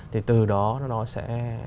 thì từ đó nó sẽ